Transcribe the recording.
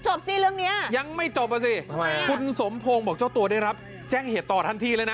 จบสิเรื่องนี้อ่ะทำไมอ่ะคุณสมโพงบอกเจ้าตัวเนี่ยครับแจ้งเหตุต่อทันทีเลยนะ